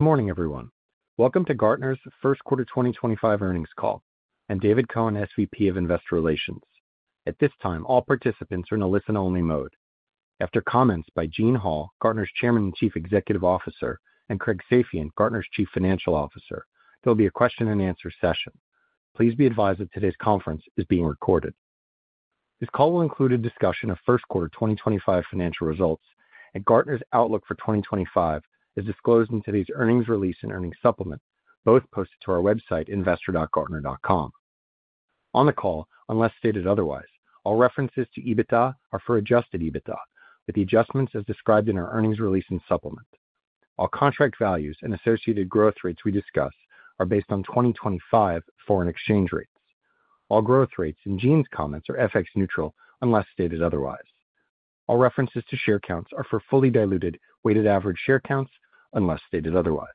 Good morning, everyone. Welcome to Gartner's first quarter 2025 earnings call. I'm David Cohen, SVP of Investor Relations. At this time, all participants are in a listen-only mode. After comments by Gene Hall, Gartner's Chairman and Chief Executive Officer, and Craig Safian, Gartner's Chief Financial Officer, there will be a question-and-answer session. Please be advised that today's conference is being recorded. This call will include a discussion of first quarter 2025 financial results, and Gartner's outlook for 2025 is disclosed in today's earnings release and earnings supplement, both posted to our website, investor.gartner.com. On the call, unless stated otherwise, all references to EBITDA are for adjusted EBITDA, with the adjustments as described in our earnings release and supplement. All contract values and associated growth rates we discuss are based on 2025 foreign exchange rates. All growth rates in Gene's comments are FX neutral, unless stated otherwise. All references to share counts are for fully diluted weighted average share counts, unless stated otherwise.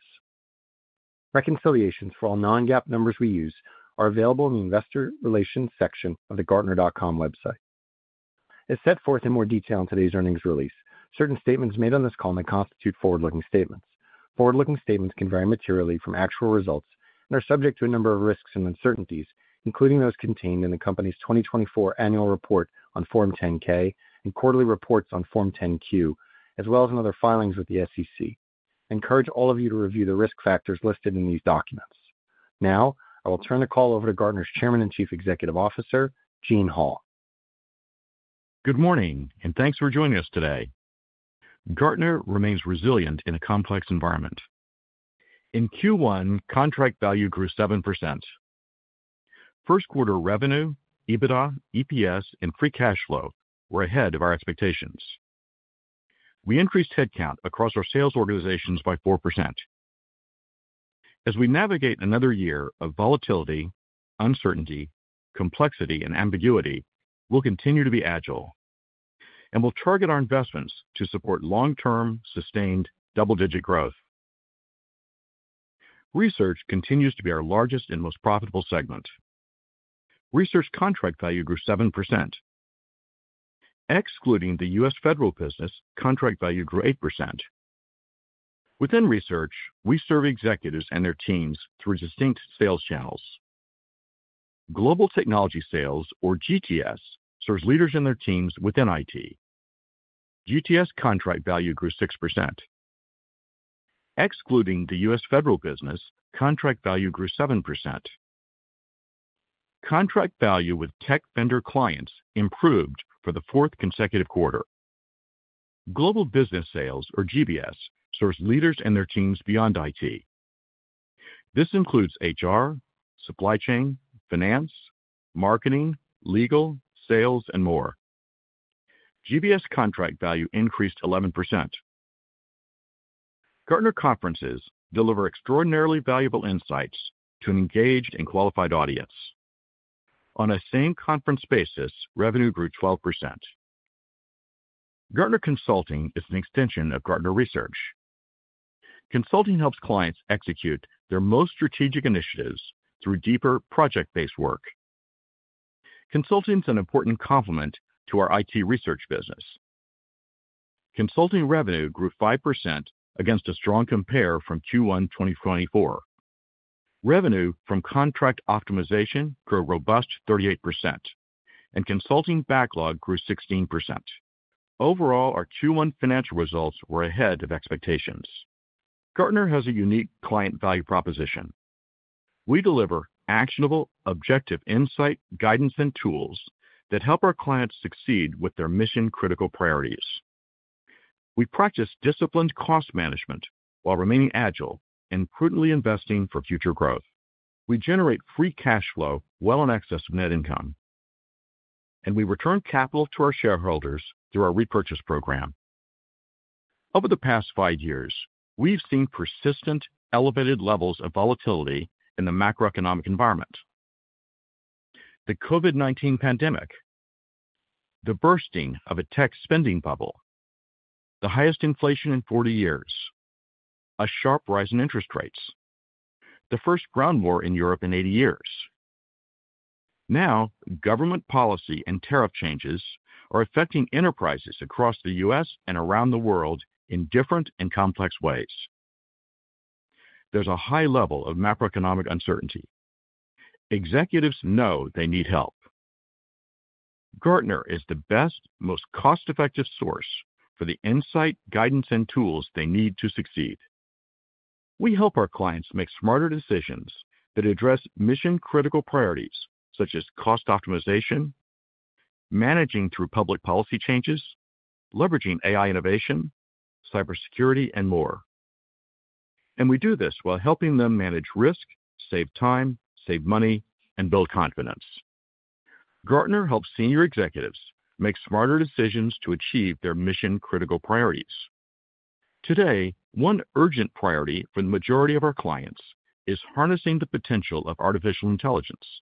Reconciliations for all non-GAAP numbers we use are available in the Investor Relations section of the gartner.com website. As set forth in more detail in today's earnings release, certain statements made on this call may constitute forward-looking statements. Forward-looking statements can vary materially from actual results and are subject to a number of risks and uncertainties, including those contained in the company's 2024 annual report on Form 10-K and quarterly reports on Form 10-Q, as well as in other filings with the SEC. I encourage all of you to review the risk factors listed in these documents. Now, I will turn the call over to Gartner's Chairman and Chief Executive Officer, Gene Hall. Good morning, and thanks for joining us today. Gartner remains resilient in a complex environment. In Q1, contract value grew 7%. First quarter revenue, EBITDA, EPS, and free cash flow were ahead of our expectations. We increased headcount across our sales organizations by 4%. As we navigate another year of volatility, uncertainty, complexity, and ambiguity, we'll continue to be agile, and we'll target our investments to support long-term, sustained double-digit growth. Research continues to be our largest and most profitable segment. Research contract value grew 7%. Excluding the U.S. federal business, contract value grew 8%. Within research, we serve executives and their teams through distinct sales channels. Global Technology Sales, or GTS, serves leaders and their teams within IT. GTS contract value grew 6%. Excluding the U.S. federal business, contract value grew 7%. Contract value with tech vendor clients improved for the fourth consecutive quarter. Global business sales, or GBS, serves leaders and their teams beyond IT. This includes HR, Supply Chain, Finance, Marketing, Legal, Sales, and more. GBS contract value increased 11%. Gartner Conferences deliver extraordinarily valuable insights to an engaged and qualified audience. On a same conference basis, revenue grew 12%. Gartner Consulting is an extension of Gartner Research. Consulting helps clients execute their most strategic initiatives through deeper, project-based work. Consulting is an important complement to our IT research business. Consulting revenue grew 5% against a strong compare from Q1 2024. Revenue from contract optimization grew a robust 38%, and consulting backlog grew 16%. Overall, our Q1 financial results were ahead of expectations. Gartner has a unique client value proposition. We deliver actionable, objective insight, guidance, and tools that help our clients succeed with their Mission-Critical Priorities. We practice disciplined cost management while remaining agile and prudently investing for future growth. We generate free cash flow well in excess of net income, and we return capital to our shareholders through our repurchase program. Over the past five years, we've seen persistent, elevated levels of volatility in the macroeconomic environment: the COVID-19 pandemic, the bursting of a tech spending bubble, the highest inflation in 40 years, a sharp rise in interest rates, the first ground war in Europe in 80 years. Now, government policy and tariff changes are affecting enterprises across the U.S. and around the world in different and complex ways. There's a high level of macroeconomic uncertainty. Executives know they need help. Gartner is the best, most cost-effective source for the insight, guidance, and tools they need to succeed. We help our clients make smarter decisions that address Mission-Critical Priorities such as cost optimization, managing through public policy changes, leveraging AI innovation, cybersecurity, and more. We do this while helping them manage risk, save time, save money, and build confidence. Gartner helps Senior Executives make smarter decisions to achieve their Mission-Critical Priorities. Today, one urgent priority for the majority of our clients is harnessing the potential of artificial intelligence.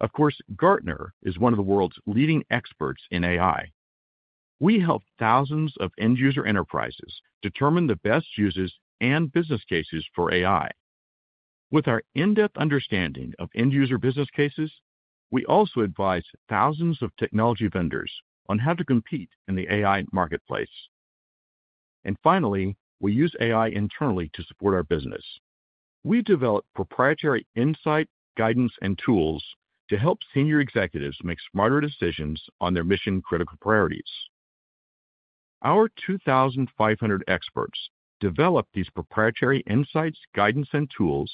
Of course, Gartner is one of the world's leading experts in AI. We help thousands of end-user enterprises determine the best uses and business cases for AI. With our in-depth understanding of end-user business cases, we also advise thousands of technology vendors on how to compete in the AI marketplace. We use AI internally to support our business. We develop proprietary insight, guidance, and tools to help Senior Executives make smarter decisions on their Mission-Critical Priorities. Our 2,500 experts develop these proprietary insights, guidance, and tools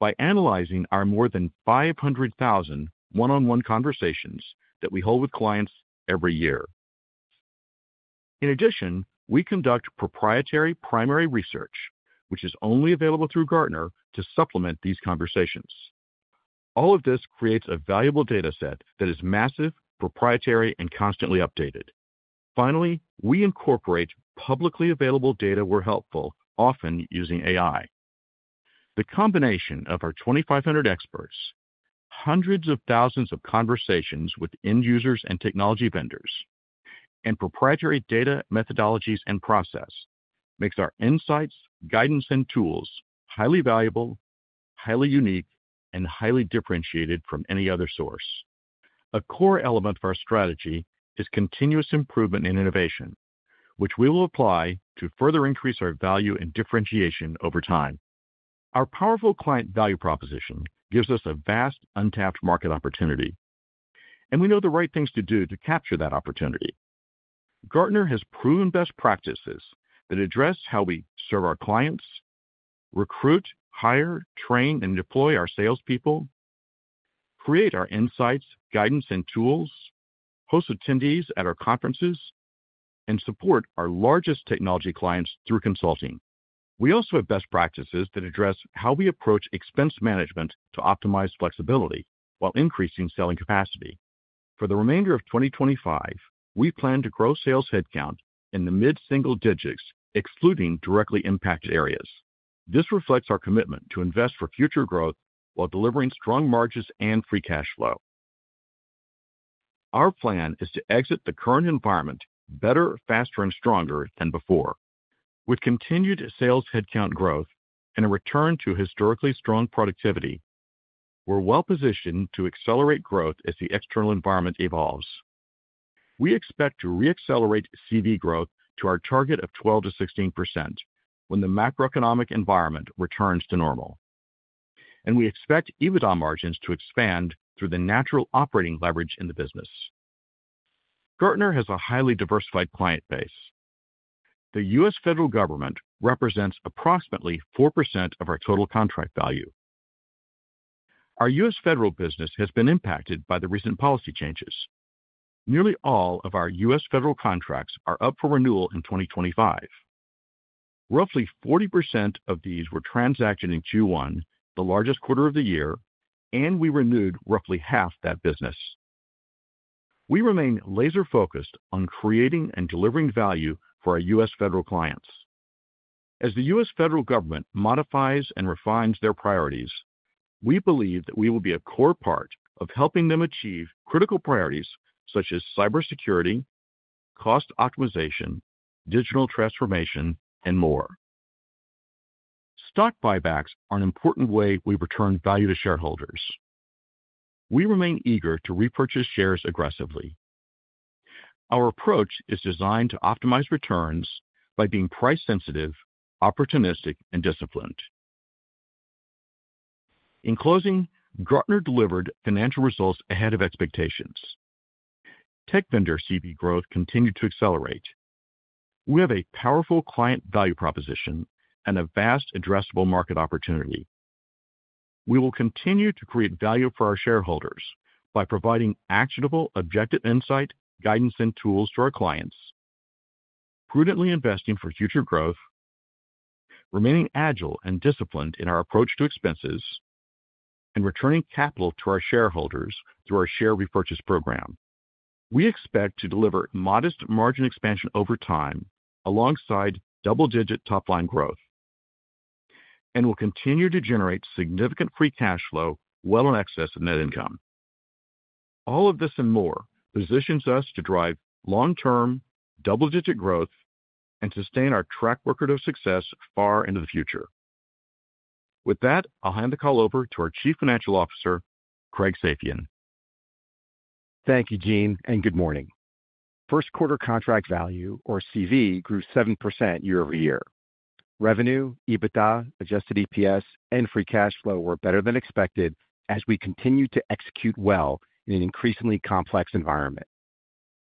by analyzing our more than 500,000 one-on-one conversations that we hold with clients every year. In addition, we conduct proprietary primary research, which is only available through Gartner to supplement these conversations. All of this creates a valuable data set that is massive, proprietary, and constantly updated. Finally, we incorporate publicly available data where helpful, often using AI. The combination of our 2,500 experts, hundreds of thousands of conversations with end users and technology vendors, and proprietary data methodologies and processes makes our insights, guidance, and tools highly valuable, highly unique, and highly differentiated from any other source. A core element of our strategy is continuous improvement and innovation, which we will apply to further increase our value and differentiation over time. Our powerful client value proposition gives us a vast, untapped market opportunity, and we know the right things to do to capture that opportunity. Gartner has proven best practices that address how we serve our clients, recruit, hire, train, and deploy our salespeople, create our insights, guidance, and tools, host attendees at our Conferences, and support our largest technology clients through consulting. We also have best practices that address how we approach expense management to optimize flexibility while increasing selling capacity. For the remainder of 2025, we plan to grow sales headcount in the mid-single digits, excluding directly impacted areas. This reflects our commitment to invest for future growth while delivering strong margins and free cash flow. Our plan is to exit the current environment better, faster, and stronger than before. With continued sales headcount growth and a return to historically strong productivity, we're well-positioned to accelerate growth as the external environment evolves. We expect to re-accelerate CV growth to our target of 12% to 16% when the macroeconomic environment returns to normal. We expect EBITDA margins to expand through the natural operating leverage in the business. Gartner has a highly diversified client base. The U.S. federal government represents approximately 4% of our total Contract Value. Our U.S. federal business has been impacted by the recent policy changes. Nearly all of our U.S. federal contracts are up for renewal in 2025. Roughly 40% of these were transactioned in Q1, the largest quarter of the year, and we renewed roughly half that business. We remain laser-focused on creating and delivering value for our U.S. federal clients. As the U.S. federal government modifies and refines their priorities, we believe that we will be a core part of helping them achieve critical priorities such as cybersecurity, cost optimization, digital transformation, and more. Stock buybacks are an important way we return value to shareholders. We remain eager to repurchase shares aggressively. Our approach is designed to optimize returns by being price-sensitive, opportunistic, and disciplined. In closing, Gartner delivered financial results ahead of expectations. Tech vendor CV growth continued to accelerate. We have a powerful client value proposition and a vast addressable market opportunity. We will continue to create value for our shareholders by providing actionable, objective insight, guidance, and tools to our clients, prudently investing for future growth, remaining agile and disciplined in our approach to expenses, and returning capital to our shareholders through our share repurchase program. We expect to deliver modest margin expansion over time alongside double-digit top-line growth, and we will continue to generate significant free cash flow well in excess of net income. All of this and more positions us to drive long-term double-digit growth and sustain our track record of success far into the future. With that, I'll hand the call over to our Chief Financial Officer, Craig Safian. Thank you, Gene, and good morning. First quarter contract value, or CV, grew 7% year-over-year. Revenue, EBITDA, adjusted EPS, and free cash flow were better than expected as we continued to execute well in an increasingly complex environment.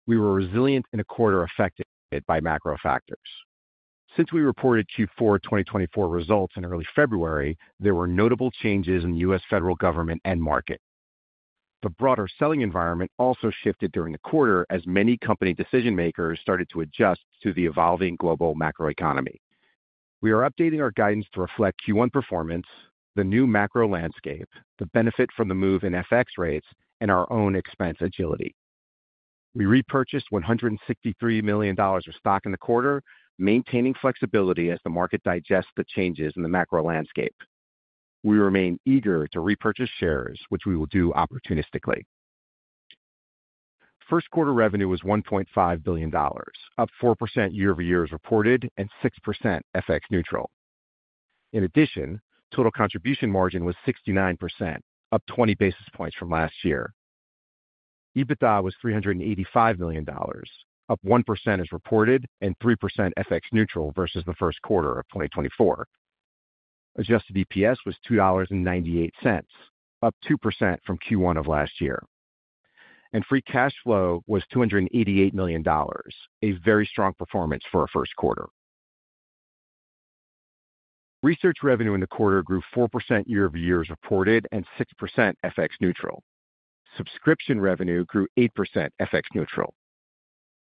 We were resilient in a quarter affected by macro factors. Since we reported Q4 2024 results in early February, there were notable changes in the U.S. federal government and market. The broader selling environment also shifted during the quarter as many company decision-makers started to adjust to the evolving global macroeconomy. We are updating our guidance to reflect Q1 performance, the new macro landscape, the benefit from the move in FX rates, and our own expense agility. We repurchased $163 million of stock in the quarter, maintaining flexibility as the market digests the changes in the macro landscape. We remain eager to repurchase shares, which we will do opportunistically. First quarter revenue was $1.5 billion, up 4% year-over-year as reported and 6% FX neutral. In addition, total contribution margin was 69%, up 20 basis points (bps) from last year. EBITDA was $385 million, up 1% as reported and 3% FX neutral versus the first quarter of 2024. Adjusted EPS was $2.98, up 2% from Q1 of last year. Free cash flow was $288 million, a very strong performance for a first quarter. Research revenue in the quarter grew 4% year-over-year as reported and 6% FX neutral. Subscription revenue grew 8% FX neutral.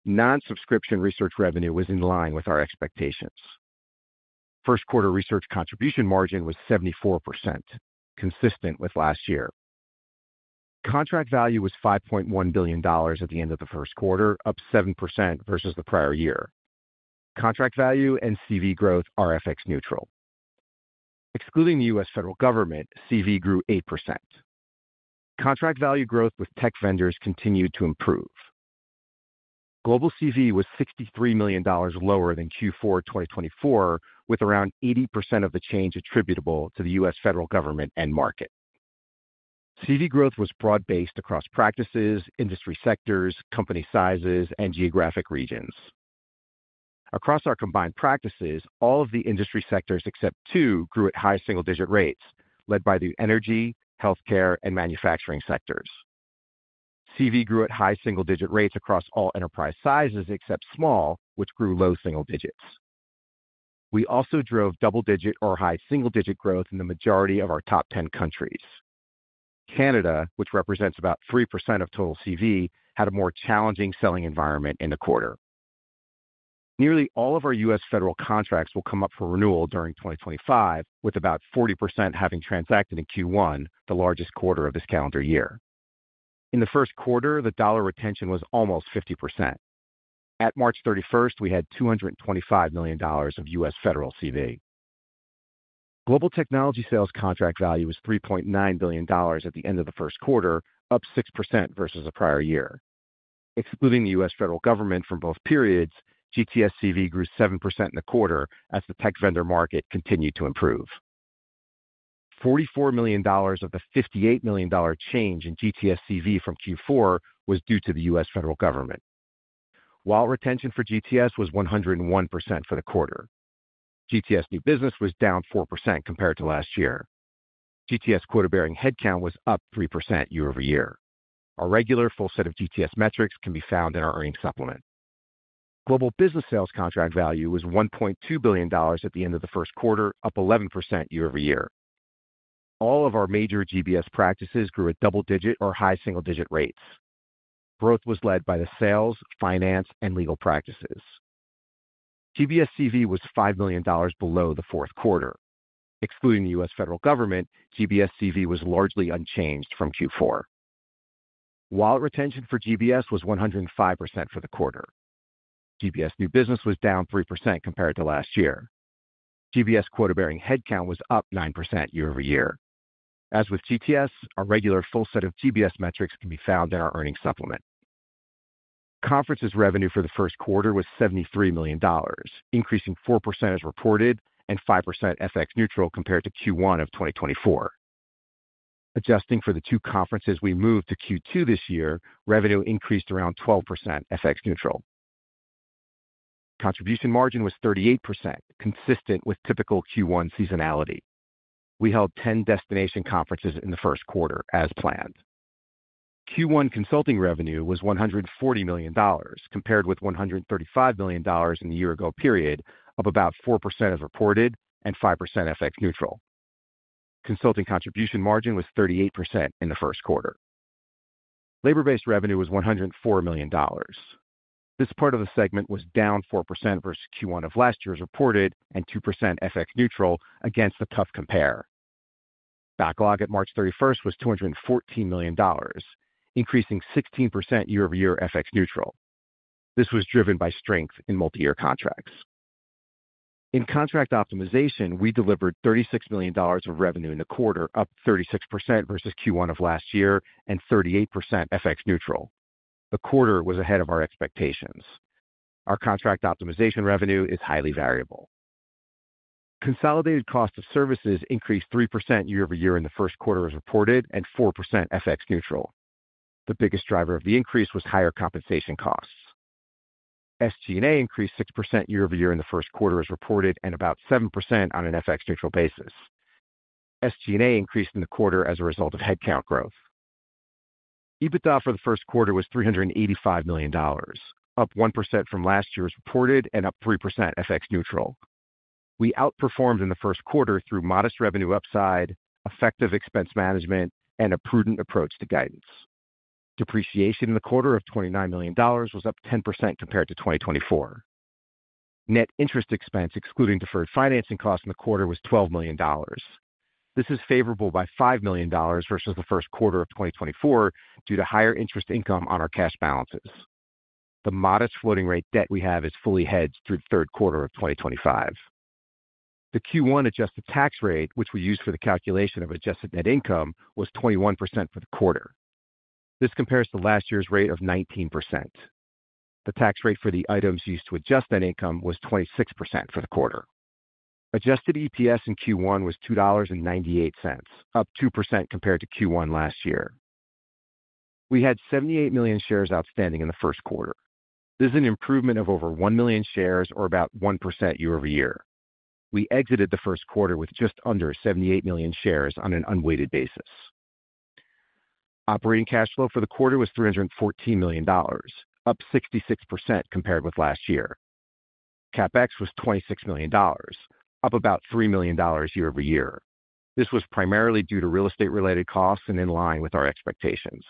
Non-subscription research revenue was in line with our expectations. First quarter research contribution margin was 74%, consistent with last year. Contract Value was $5.1 billion at the end of the first quarter, up 7% versus the prior year. Contract value and CV growth are FX neutral. Excluding the U.S. Federal government, CV grew 8%. Contract value growth with Tech Vendors continued to improve. Global CV was $63 million lower than Q4 2024, with around 80% of the change attributable to the U.S. federal government and market. CV growth was broad-based across practices, industry sectors, company sizes, and geographic regions. Across our combined practices, all of the industry sectors except two grew at high single-digit rates, led by the Energy, Healthcare, and Manufacturing Sectors. CV grew at high single-digit rates across all enterprise sizes except small, which grew low single digits. We also drove double-digit or high single-digit growth in the majority of our top 10 countries. Canada, which represents about 3% of total CV, had a more challenging selling environment in the quarter. Nearly all of our U.S. Federal contracts will come up for renewal during 2025, with about 40% having transacted in Q1, the largest quarter of this calendar year. In the first quarter, the dollar retention was almost 50%. At March 31, we had $225 million of U.S. federal CV. Global Technology Sales contract value was $3.9 billion at the end of the first quarter, up 6% versus the prior year. Excluding the U.S. federal government from both periods, GTS CV grew 7% in the quarter as the tech vendor market continued to improve. $44 million of the $58 million change in GTS CV from Q4 was due to the U.S. federal government, while retention for GTS was 101% for the quarter. GTS new business was down 4% compared to last year. GTS quarter-bearing headcount was up 3% year-over-year. Our regular full set of GTS metrics can be found in our earnings supplement. Global business sales contract value was $1.2 billion at the end of the first quarter, up 11% year-over-year. All of our major GBS practices grew at double-digit or high single-digit rates. Growth was led by the Sales, Finance, and Legal practices. GBS CV was $5 million below the fourth quarter. Excluding the U.S. federal government, GBS CV was largely unchanged from Q4. Wallet retention for GBS was 105% for the quarter. GBS new business was down 3% compared to last year. GBS quarter-bearing headcount was up 9% year-over-year. As with GTS, our regular full set of GBS metrics can be found in our earnings supplement. Conferences revenue for the first quarter was $73 million, increasing 4% as reported and 5% FX neutral compared to Q1 of 2024. Adjusting for the two conferences, we moved to Q2 this year. Revenue increased around 12% FX neutral. Contribution margin was 38%, consistent with typical Q1 seasonality. We held 10 destination conferences in the first quarter as planned. Q1 consulting revenue was $140 million compared with $135 million in the year-ago period, up about 4% as reported and 5% FX neutral. Consulting contribution margin was 38% in the first quarter. Labor-based revenue was $104 million. This part of the segment was down 4% versus Q1 of last year as reported and 2% FX neutral against the tough compare. Backlog at March 31 was $214 million, increasing 16% year-over-year FX neutral. This was driven by strength in multi-year contracts. In contract optimization, we delivered $36 million of revenue in the quarter, up 36% versus Q1 of last year and 38% FX neutral. The quarter was ahead of our expectations. Our contract optimization revenue is highly variable. Consolidated Cost of Services increased 3% year-over-year in the first quarter as reported and 4% FX neutral. The biggest driver of the increase was higher compensation costs. SG&A increased 6% year-over-year in the first quarter as reported and about 7% on an FX neutral basis. SG&A increased in the quarter as a result of headcount growth. EBITDA for the first quarter was $385 million, up 1% from last year as reported and up 3% FX neutral. We outperformed in the first quarter through modest revenue upside, effective expense management, and a prudent approach to guidance. Depreciation in the quarter of $29 million was up 10% compared to 2024. Net interest expense, excluding deferred financing costs in the quarter, was $12 million. This is favorable by $5 million versus the first quarter of 2024 due to higher interest income on our cash balances. The modest floating rate debt we have is fully hedged through the third quarter of 2025. The Q1 adjusted tax rate, which we used for the calculation of adjusted net income, was 21% for the quarter. This compares to last year's rate of 19%. The tax rate for the items used to adjust net income was 26% for the quarter. Adjusted EPS in Q1 was $2.98, up 2% compared to Q1 last year. We had 78 million shares outstanding in the first quarter. This is an improvement of over 1 million shares or about 1% year-over-year. We exited the first quarter with just under 78 million shares on an unweighted basis. Operating cash flow for the quarter was $314 million, up 66% compared with last year. CapEx was $26 million, up about $3 million year-over-year. This was primarily due to real estate-related costs and in line with our expectations.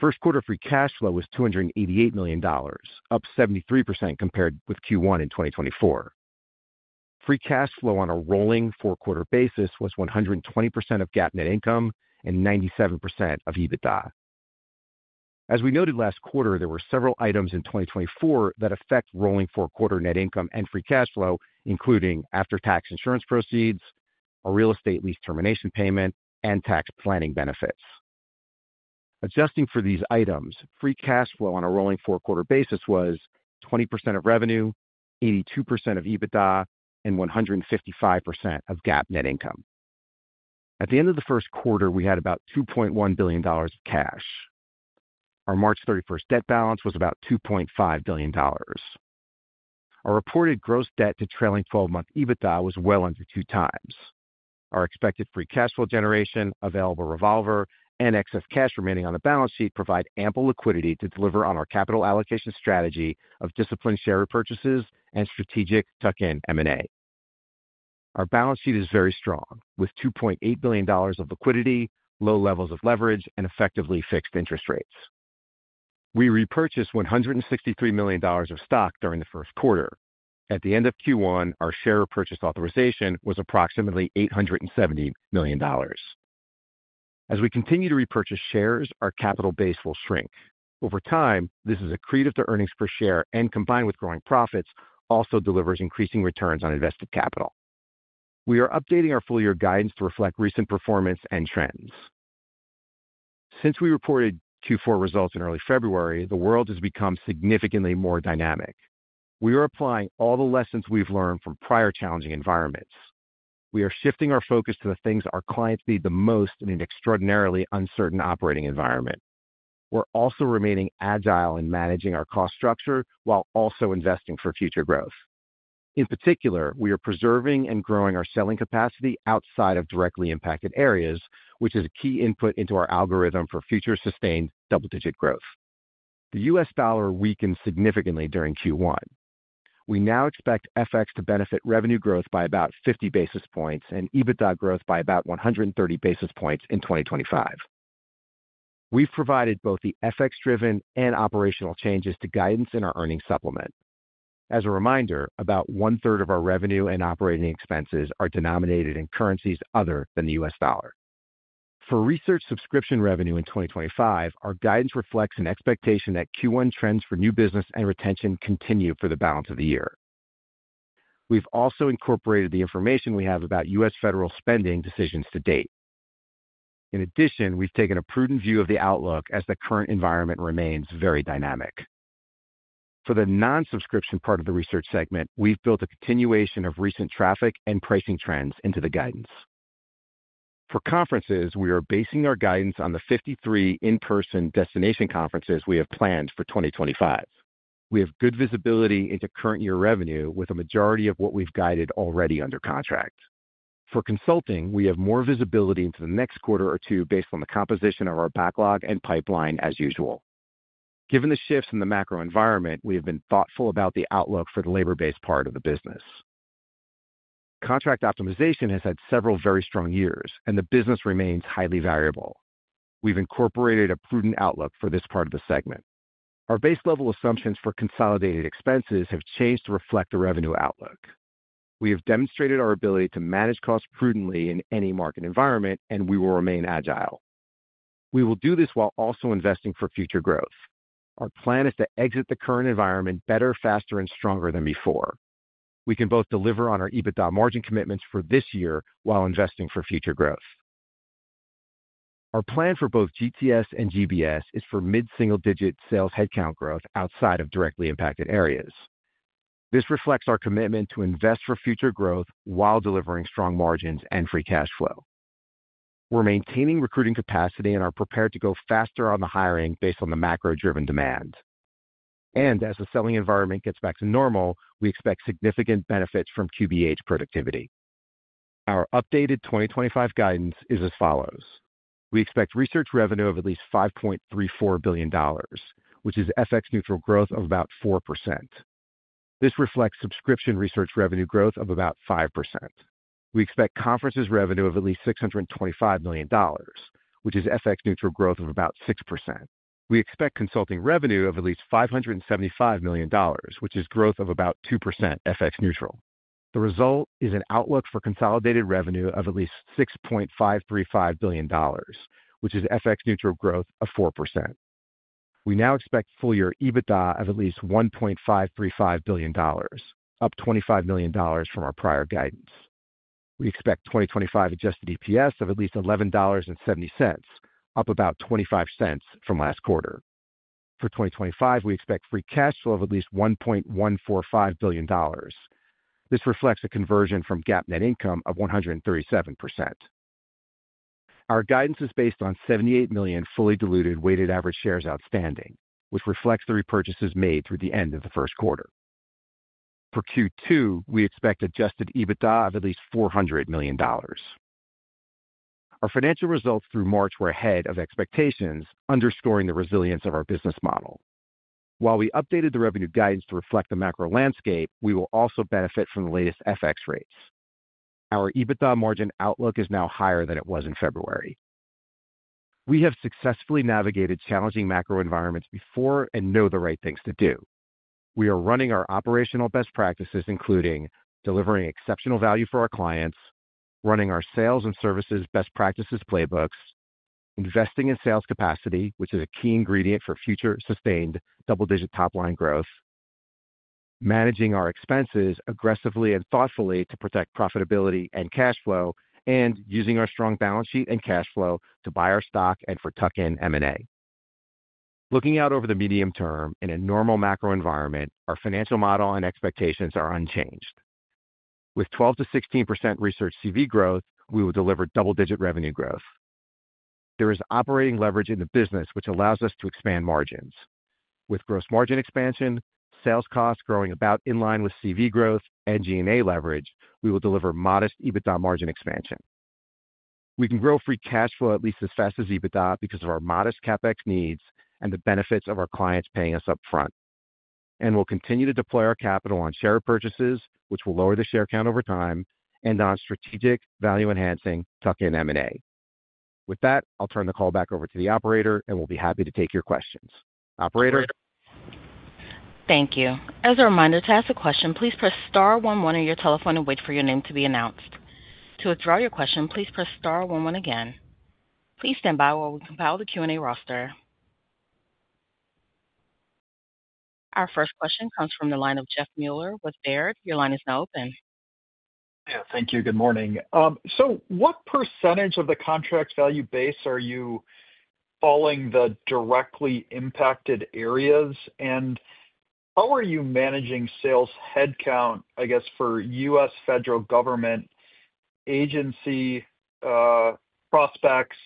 First quarter free cash flow was $288 million, up 73% compared with Q1 in 2024. Free cash flow on a rolling four-quarter basis was 120% of GAAP net income and 97% of EBITDA. As we noted last quarter, there were several items in 2024 that affect rolling four-quarter net income and free cash flow, including after-tax insurance proceeds, a real estate lease termination payment, and tax planning benefits. Adjusting for these items, free cash flow on a rolling four-quarter basis was 20% of revenue, 82% of EBITDA, and 155% of GAAP net income. At the end of the first quarter, we had about $2.1 billion of cash. Our March 31 debt balance was about $2.5 billion. Our reported gross debt to trailing 12-month EBITDA was well under two times. Our expected free cash flow generation, available revolver, and excess cash remaining on the balance sheet provide ample liquidity to deliver on our capital allocation strategy of disciplined share repurchases and strategic tuck-in M&A. Our balance sheet is very strong with $2.8 billion of liquidity, low levels of leverage, and effectively fixed interest rates. We repurchased $163 million of stock during the first quarter. At the end of Q1, our share repurchase authorization was approximately $870 million. As we continue to repurchase shares, our capital base will shrink. Over time, this is accretive to earnings per share and, combined with growing profits, also delivers increasing returns on invested capital. We are updating our full-year guidance to reflect recent performance and trends. Since we reported Q4 results in early February, the world has become significantly more dynamic. We are applying all the lessons we've learned from prior challenging environments. We are shifting our focus to the things our clients need the most in an extraordinarily uncertain operating environment. We're also remaining agile in managing our cost structure while also investing for future growth. In particular, we are preserving and growing our selling capacity outside of directly impacted areas, which is a key input into our algorithm for future sustained double-digit growth. The U.S. dollar weakened significantly during Q1. We now expect FX to benefit revenue growth by about 50 basis points (bps) and EBITDA growth by about 130 basis points (bps) in 2025. We've provided both the FX-driven and operational changes to guidance in our earnings supplement. As a reminder, about one-third of our revenue and operating expenses are denominated in currencies other than the U.S. dollar. For research subscription revenue in 2025, our guidance reflects an expectation that Q1 trends for new business and retention continue for the balance of the year. We've also incorporated the information we have about U.S. federal spending decisions to date. In addition, we've taken a prudent view of the outlook as the current environment remains very dynamic. For the non-subscription part of the research segment, we've built a continuation of recent traffic and pricing trends into the guidance. For conferences, we are basing our guidance on the 53 in-person destination conferences we have planned for 2025. We have good visibility into current year revenue with a majority of what we've guided already under contract. For consulting, we have more visibility into the next quarter or two based on the composition of our backlog and pipeline as usual. Given the shifts in the macro environment, we have been thoughtful about the outlook for the labor-based part of the business. Contract Optimization has had several very strong years, and the business remains highly variable. We have incorporated a prudent outlook for this part of the segment. Our base level assumptions for consolidated expenses have changed to reflect the revenue outlook. We have demonstrated our ability to manage costs prudently in any market environment, and we will remain agile. We will do this while also investing for future growth. Our plan is to exit the current environment better, faster, and stronger than before. We can both deliver on our EBITDA margin commitments for this year while investing for future growth. Our plan for both GTS and GBS is for mid-single-digit sales headcount growth outside of directly impacted areas. This reflects our commitment to invest for future growth while delivering strong margins and free cash flow. We're maintaining recruiting capacity and are prepared to go faster on the hiring based on the macro-driven demand. As the selling environment gets back to normal, we expect significant benefits from QBH productivity. Our updated 2025 guidance is as follows. We expect research revenue of at least $5.34 billion, which is FX neutral growth of about 4%. This reflects subscription research revenue growth of about 5%. We expect conferences revenue of at least $625 million, which is FX neutral growth of about 6%. We expect consulting revenue of at least $575 million, which is growth of about 2% FX neutral. The result is an outlook for consolidated revenue of at least $6.535 billion, which is FX neutral growth of 4%. We now expect full-year EBITDA of at least $1.535 billion, up $25 million from our prior guidance. We expect 2025 adjusted EPS of at least $11.70, up about $0.25 from last quarter. For 2025, we expect free cash flow of at least $1.145 billion. This reflects a conversion from GAAP net income of 137%. Our guidance is based on 78 million fully diluted weighted average shares outstanding, which reflects the repurchases made through the end of the first quarter. For Q2, we expect adjusted EBITDA of at least $400 million. Our financial results through March were ahead of expectations, underscoring the resilience of our business model. While we updated the revenue guidance to reflect the macro landscape, we will also benefit from the latest FX rates. Our EBITDA margin outlook is now higher than it was in February. We have successfully navigated challenging macro environments before and know the right things to do. We are running our operational best practices, including delivering exceptional value for our clients, running our sales and services best practices playbooks, investing in sales capacity, which is a key ingredient for future sustained double-digit top-line growth, managing our expenses aggressively and thoughtfully to protect profitability and cash flow, and using our strong balance sheet and cash flow to buy our stock and for tuck-in M&A. Looking out over the medium term in a normal macro environment, our financial model and expectations are unchanged. With 12% to 16% research CV growth, we will deliver double-digit revenue growth. There is operating leverage in the business, which allows us to expand margins. With gross margin expansion, sales costs growing about in line with CV growth and G&A leverage, we will deliver modest EBITDA margin expansion. We can grow free cash flow at least as fast as EBITDA because of our modest CapEx needs and the benefits of our clients paying us upfront. We will continue to deploy our capital on share repurchases, which will lower the share count over time, and on strategic value enhancing tuck-in M&A. With that, I will turn the call back over to the operator, and we will be happy to take your questions. Operator. Thank you. As a reminder to ask a question, please press star 11 on your telephone and wait for your name to be announced. To withdraw your question, please press star 11 again. Please stand by while we compile the Q&A roster. Our first question comes from the line of Jeff Mueller with Baird. Your line is now open. Yeah, thank you. Good morning. What percentage of the contract value base are you calling the directly impacted areas? How are you managing sales headcount, I guess, for U.S. federal government agency prospects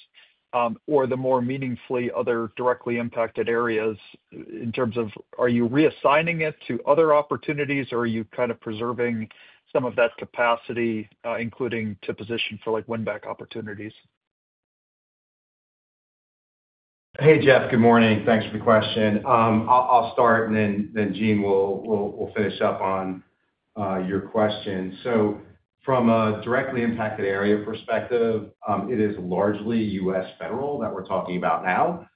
or, more meaningfully, other directly impacted areas in terms of are you reassigning it to other opportunities, or are you kind of preserving some of that capacity, including to position for win-back opportunities? Hey, Jeff, good morning. Thanks for the question. I'll start, and then Gene will finish up on your question. From a directly impacted area perspective, it is largely U.S. federal that we're talking about now.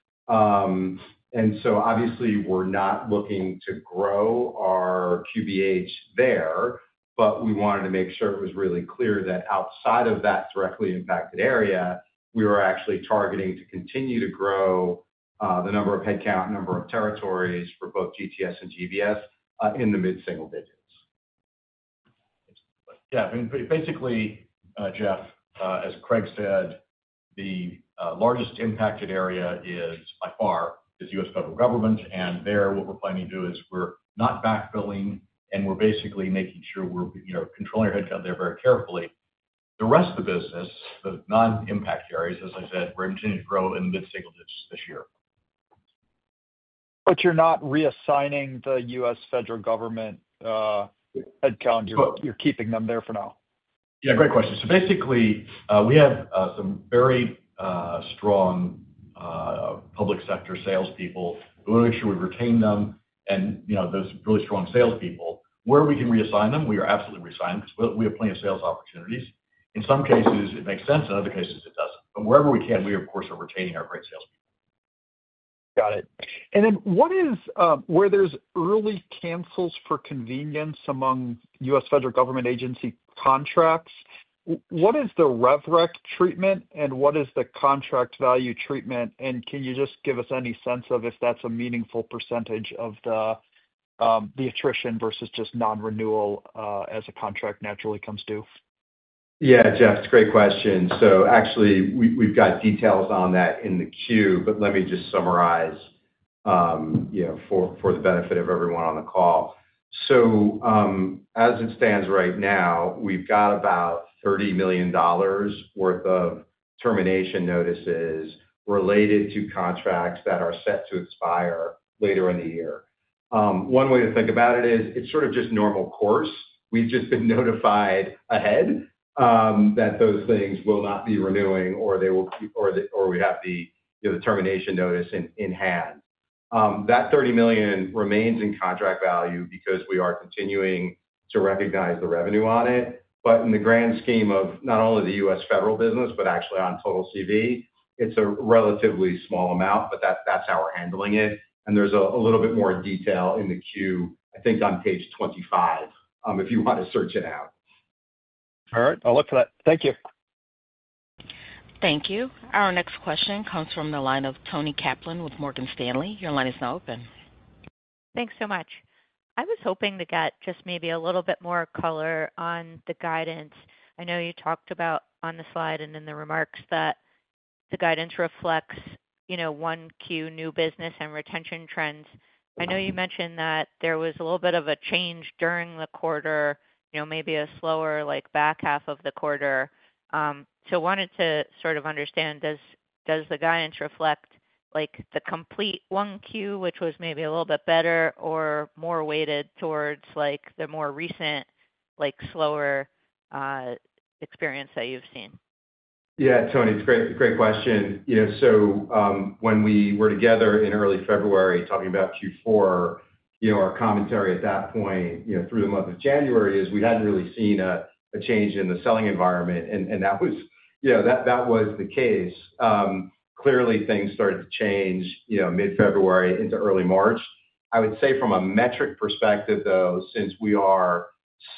Obviously, we're not looking to grow our QBH there, but we wanted to make sure it was really clear that outside of that directly impacted area, we were actually targeting to continue to grow the number of headcount, number of territories for both GTS and GBS in the mid-single digits. Yeah, basically, Jeff, as Craig said, the largest impacted area by far is U.S. federal government. There, what we're planning to do is we're not backfilling, and we're basically making sure we're controlling our headcount there very carefully. The rest of the business, the non-impact areas, as I said, we're continuing to grow in the mid-single digits this year. You're not reassigning the U.S. federal government headcount? You're keeping them there for now. Yeah, great question. Basically, we have some very strong public sector salespeople. We want to make sure we retain them and those really strong salespeople. Where we can reassign them, we are absolutely reassigning them because we have plenty of sales opportunities. In some cases, it makes sense. In other cases, it does not. Wherever we can, we, of course, are retaining our great salespeople. Got it. Where there are early cancels for convenience among U.S. federal government agency contracts, what is the rhetoric treatment, and what is the contract value treatment? Can you just give us any sense of if that is a meaningful percentage of the attrition versus just non-renewal as a contract naturally comes due? Yeah, Jeff, it is a great question. Actually, we have got details on that in the queue, but let me just summarize for the benefit of everyone on the call. As it stands right now, we've got about $30 million worth of termination notices related to contracts that are set to expire later in the year. One way to think about it is it's sort of just normal course. We've just been notified ahead that those things will not be renewing or we have the termination notice in hand. That $30 million remains in contract value because we are continuing to recognize the revenue on it. In the grand scheme of not only the U.S. federal business, but actually on total CV, it's a relatively small amount, but that's how we're handling it. There's a little bit more detail in the queue, I think, on page 25, if you want to search it out. All right. I'll look for that. Thank you. Thank you. Our next question comes from the line of Toni Kaplan with Morgan Stanley. Your line is now open. Thanks so much. I was hoping to get just maybe a little bit more color on the guidance. I know you talked about on the slide and in the remarks that the guidance reflects Q1 new business and retention trends. I know you mentioned that there was a little bit of a change during the quarter, maybe a slower back half of the quarter. I wanted to sort of understand, does the guidance reflect the complete Q1, which was maybe a little bit better or more weighted towards the more recent slower experience that you've seen? Yeah, Toni, it's a great question. When we were together in early February talking about Q4, our commentary at that point through the month of January is we hadn't really seen a change in the selling environment, and that was the case. Clearly, things started to change mid-February into early March. I would say from a metric perspective, though, since we are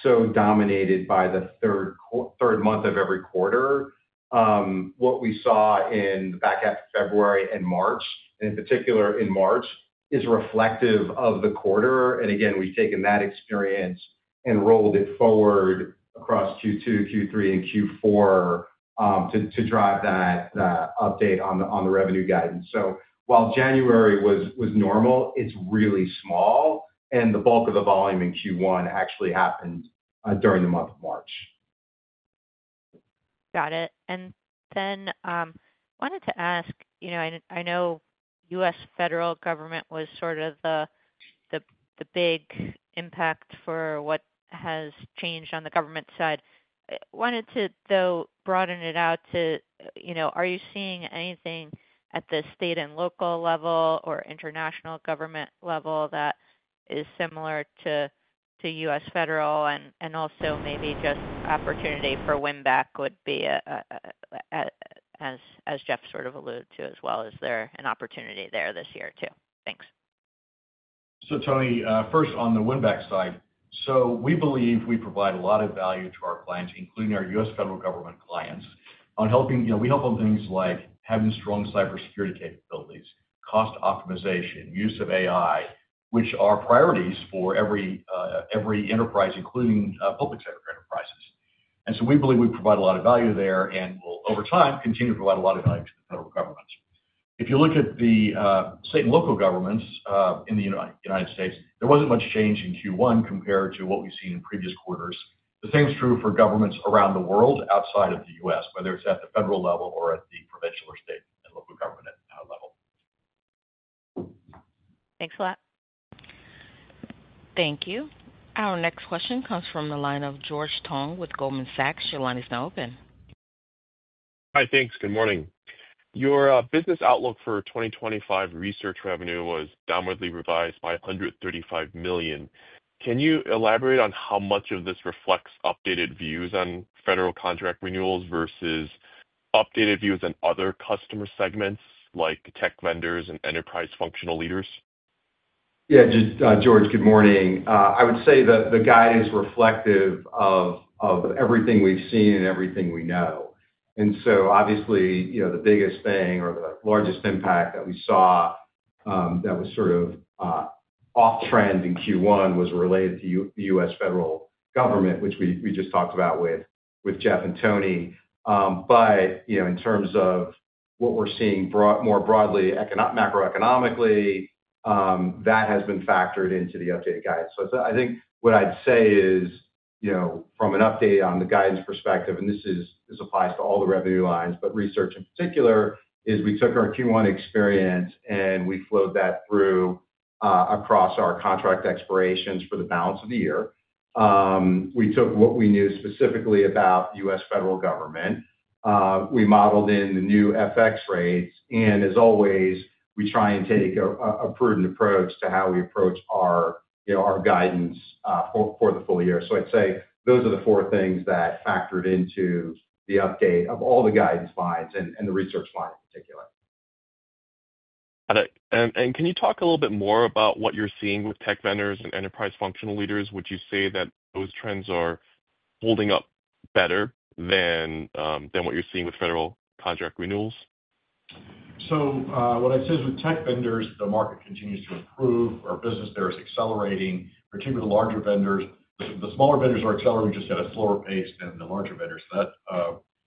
so dominated by the third month of every quarter, what we saw in the back half of February and March, and in particular in March, is reflective of the quarter. Again, we have taken that experience and rolled it forward across Q2, Q3, and Q4 to drive that update on the revenue guidance. While January was normal, it is really small, and the bulk of the volume in Q1 actually happened during the month of March. Got it. I wanted to ask, I know U.S. federal government was sort of the big impact for what has changed on the government side. I wanted to, though, broaden it out to, are you seeing anything at the state and local level or international government level that is similar to U.S. Federal and also maybe just opportunity for win-back would be, as Jeff sort of alluded to as well, is there an opportunity there this year too? Thanks. Toni, first on the win-back side. We believe we provide a lot of value to our clients, including our U.S. federal government clients, helping on things like having strong cybersecurity capabilities, cost optimization, use of AI, which are priorities for every enterprise, including public sector enterprises. We believe we provide a lot of value there and will, over time, continue to provide a lot of value to the federal governments. If you look at the state and local governments in the United States, there was not much change in Q1 compared to what we have seen in previous quarters. The same is true for governments around the world outside of the U.S., whether it's at the federal level or at the provincial or state and local government level. Thanks a lot. Thank you. Our next question comes from the line of George Tong with Goldman Sachs. Your line is now open. Hi, thanks. Good morning. Your business outlook for 2025 research revenue was downwardly revised by $135 million. Can you elaborate on how much of this reflects updated views on federal contract renewals versus updated views on other customer segments like tech vendors and enterprise functional leaders? Yeah, George, good morning. I would say the guidance is reflective of everything we've seen and everything we know. Obviously, the biggest thing or the largest impact that we saw that was sort of off-trend in Q1 was related to the U.S. Federal government, which we just talked about with Jeff and Toni. In terms of what we're seeing more broadly, macroeconomically, that has been factored into the updated guidance. I think what I'd say is from an update on the guidance perspective, and this applies to all the revenue lines, but research in particular, is we took our Q1 experience and we flowed that through across our contract expirations for the balance of the year. We took what we knew specifically about U.S. federal government. We modeled in the new FX rates. As always, we try and take a prudent approach to how we approach our guidance for the full year. I'd say those are the four things that factored into the update of all the guidance lines and the research line in particular. Got it. Can you talk a little bit more about what you're seeing with tech vendors and enterprise functional leaders? Would you say that those trends are holding up better than what you're seeing with federal contract renewals? What I'd say is with tech vendors, the market continues to improve. Our business there is accelerating, particularly the larger vendors. The smaller vendors are accelerating just at a slower pace than the larger vendors. That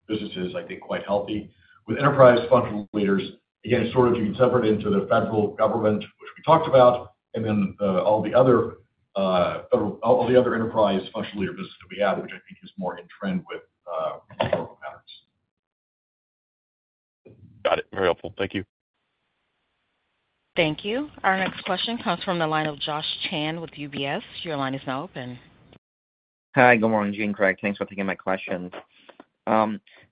business is, I think, quite healthy. With enterprise functional leaders, again, you can separate into the federal government, which we talked about, and then all the other enterprise functional leaders that we have, which I think is more in trend with federal patterns. Got it. Very helpful. Thank you. Thank you. Our next question comes from the line of Josh Chan with UBS. Your line is now open. Hi, good morning, Gene and Craig. Thanks for taking my question.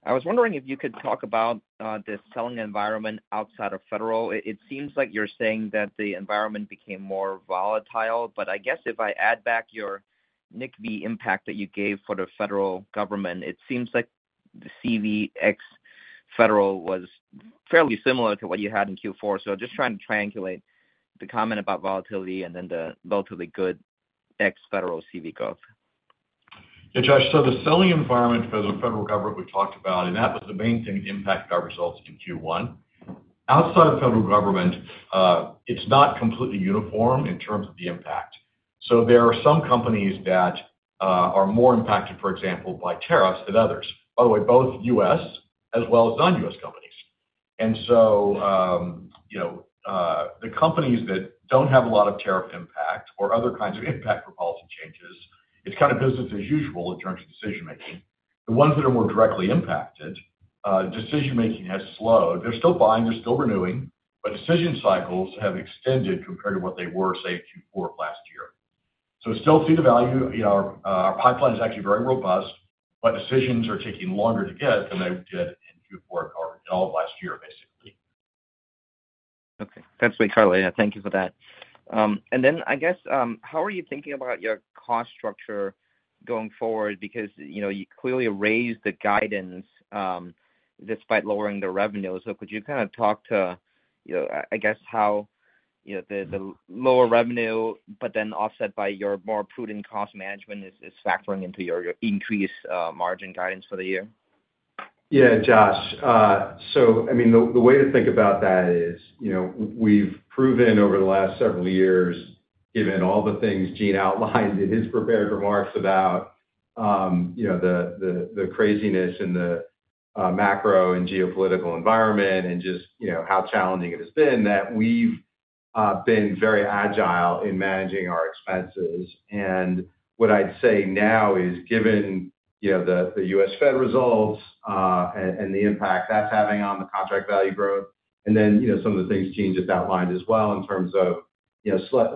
I was wondering if you could talk about the selling environment outside of federal. It seems like you're saying that the environment became more volatile, but I guess if I add back your NCV impact that you gave for the federal government, it seems like the CVX Federal was fairly similar to what you had in Q4. Just trying to triangulate the comment about volatility and then the relatively good ex-Federal CV growth. Yeah, Josh, the selling environment for the federal government we talked about, and that was the main thing that impacted our results in Q1. Outside of the federal government, it's not completely uniform in terms of the impact. There are some companies that are more impacted, for example, by tariffs than others, by the way, both U.S. as well as non-U.S. companies. The companies that do not have a lot of tariff impact or other kinds of impact from policy changes, it is kind of business as usual in terms of decision-making. The ones that are more directly impacted, decision-making has slowed. They are still buying. They are still renewing, but decision cycles have extended compared to what they were, say, Q4 of last year. They still see the value. Our pipeline is actually very robust, but decisions are taking longer to get than they did in Q4 of last year, basically. Okay. Thanks, Craig Safian. Thank you for that. I guess, how are you thinking about your cost structure going forward? Because you clearly raised the guidance despite lowering the revenue. Could you kind of talk to, I guess, how the lower revenue, but then offset by your more prudent cost management, is factoring into your increased margin guidance for the year? Yeah, Josh. I mean, the way to think about that is we've proven over the last several years, given all the things Gene outlined in his prepared remarks about the craziness in the macro and geopolitical environment and just how challenging it has been, that we've been very agile in managing our expenses. What I'd say now is given the U.S. Fed results and the impact that's having on the contract value growth, and then some of the things Gene just outlined as well in terms of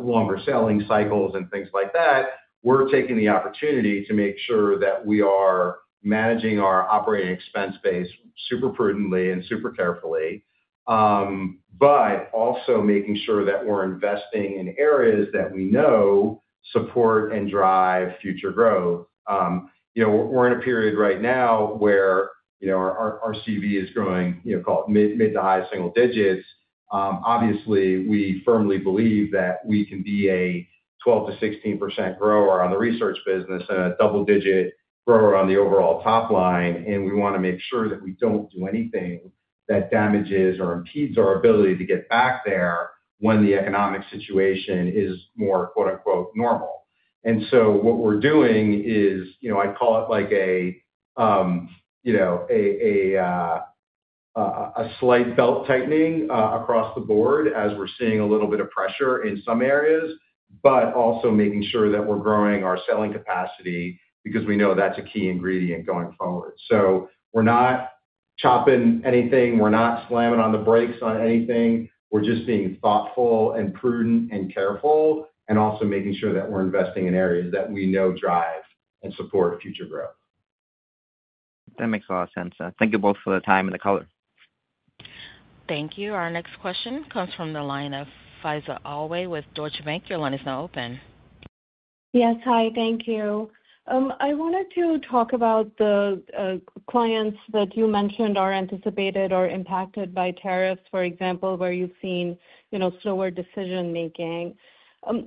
longer selling cycles and things like that, we're taking the opportunity to make sure that we are managing our operating expense base super prudently and super carefully, but also making sure that we're investing in areas that we know support and drive future growth. We're in a period right now where our CV is growing, call it mid to high single digits. Obviously, we firmly believe that we can be a 12%-16% grower on the research business and a double-digit grower on the overall top line. We want to make sure that we do not do anything that damages or impedes our ability to get back there when the economic situation is more "normal." What we are doing is, I call it like a slight belt tightening across the board as we are seeing a little bit of pressure in some areas, but also making sure that we are growing our selling capacity because we know that is a key ingredient going forward. We are not chopping anything. We are not slamming on the brakes on anything. We are just being thoughtful and prudent and careful and also making sure that we are investing in areas that we know drive and support future growth. That makes a lot of sense. Thank you both for the time and the color. Thank you. Our next question comes from the line of Faiza Alwy with Deutsche Bank. Your line is now open. Yes, hi. Thank you. I wanted to talk about the clients that you mentioned are anticipated or impacted by tariffs, for example, where you've seen slower decision-making.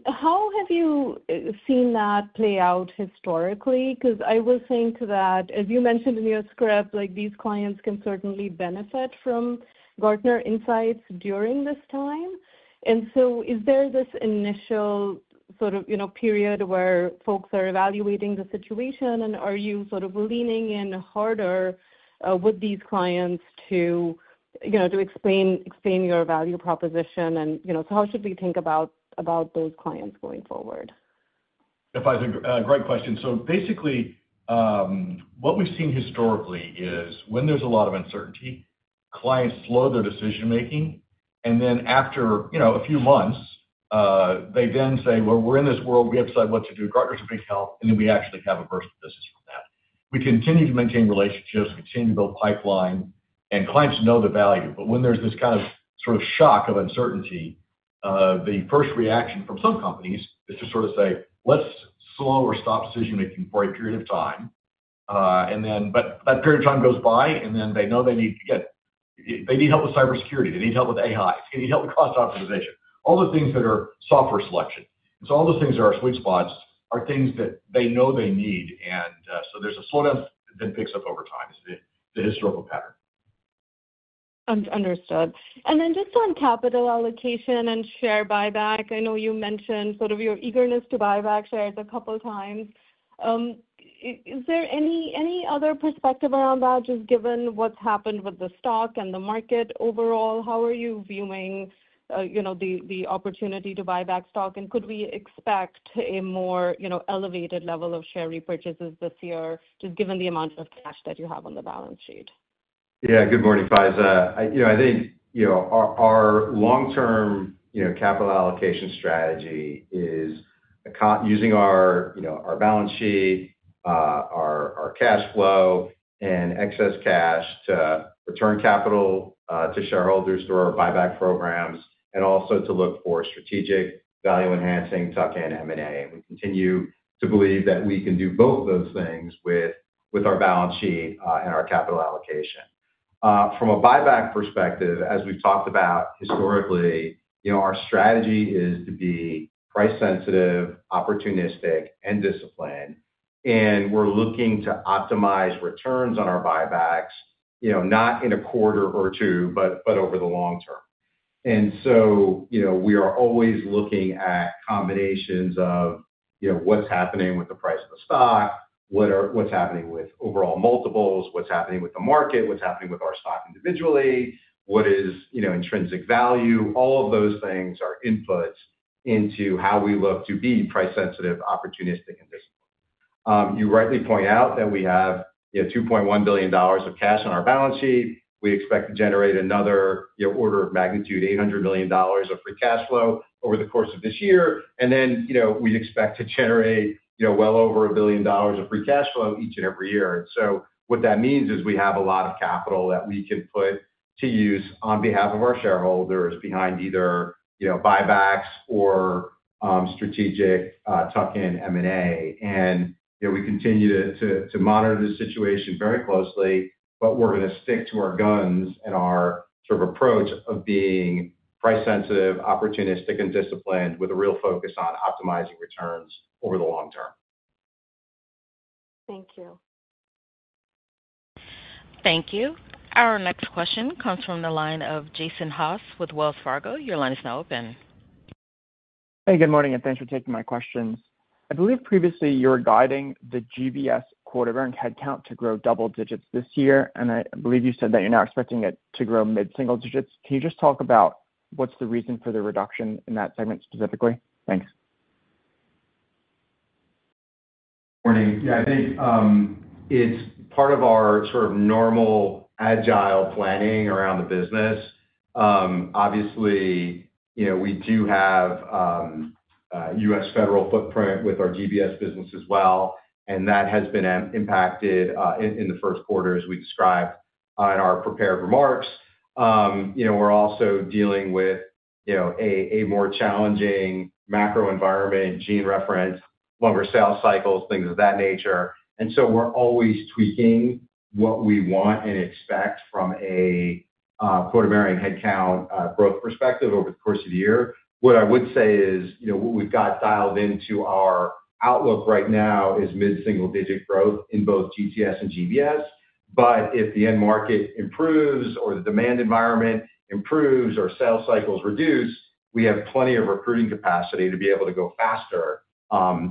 How have you seen that play out historically? Because I was saying to that, as you mentioned in your script, these clients can certainly benefit from Gartner Insights during this time. Is there this initial sort of period where folks are evaluating the situation, and are you sort of leaning in harder with these clients to explain your value proposition? How should we think about those clients going forward? Yeah, Faiza, great question. Basically, what we've seen historically is when there's a lot of uncertainty, clients slow their decision-making, and then after a few months, they then say, "Well, we're in this world. We have to decide what to do. Gartner's a big help. And then we actually have a burst of business from that. We continue to maintain relationships, continue to build pipeline, and clients know the value. When there's this kind of sort of shock of uncertainty, the first reaction from some companies is to sort of say, "Let's slow or stop decision-making for a period of time." That period of time goes by, and then they know they need to get they need help with cybersecurity. They need help with AI. They need help with cost optimization. All the things that are software selection. All those things that are our sweet spots are things that they know they need. There's a slowdown that then picks up over time. It's the historical pattern. Understood. Just on capital allocation and share buyback, I know you mentioned sort of your eagerness to buy back shares a couple of times. Is there any other perspective around that, just given what's happened with the stock and the market overall? How are you viewing the opportunity to buy back stock? Could we expect a more elevated level of share repurchases this year, just given the amount of cash that you have on the balance sheet? Good morning, Faisal. I think our long-term capital allocation strategy is using our balance sheet, our cash flow, and excess cash to return capital to shareholders through our buyback programs and also to look for strategic value-enhancing tuck-in M&A. We continue to believe that we can do both of those things with our balance sheet and our capital allocation. From a buyback perspective, as we've talked about historically, our strategy is to be price-sensitive, opportunistic, and disciplined. We are looking to optimize returns on our buybacks, not in a quarter or two, but over the long term. We are always looking at combinations of what's happening with the price of the stock, what's happening with overall multiples, what's happening with the market, what's happening with our stock individually, what is intrinsic value. All of those things are inputs into how we look to be price-sensitive, opportunistic, and disciplined. You rightly point out that we have $2.1 billion of cash on our balance sheet. We expect to generate another order of magnitude, $800 million of free cash flow over the course of this year. We expect to generate well over a billion dollars of free cash flow each and every year. What that means is we have a lot of capital that we can put to use on behalf of our shareholders behind either buybacks or strategic tuck-in M&A. We continue to monitor this situation very closely, but we're going to stick to our guns and our sort of approach of being price-sensitive, opportunistic, and disciplined with a real focus on optimizing returns over the long term. Thank you. Thank you. Our next question comes from the line of Jason Haas with Wells Fargo. Your line is now open. Hey, good morning, and thanks for taking my questions. I believe previously you were guiding the GBS quarter-bearing headcount to grow double digits this year, and I believe you said that you're now expecting it to grow mid-single digits. Can you just talk about what's the reason for the reduction in that segment specifically? Thanks. Morning. Yeah, I think it's part of our sort of normal agile planning around the business. Obviously, we do have U.S. federal footprint with our GBS business as well, and that has been impacted in the first quarter, as we described in our prepared remarks. We're also dealing with a more challenging macro environment, Gene referenced, longer sales cycles, things of that nature. We are always tweaking what we want and expect from a quarter-bearing headcount growth perspective over the course of the year. What I would say is what we've got dialed into our outlook right now is mid-single digit growth in both GTS and GBS. If the end market improves or the demand environment improves or sales cycles reduce, we have plenty of recruiting capacity to be able to go faster